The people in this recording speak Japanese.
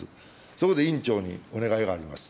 そこで委員長にお願いがあります。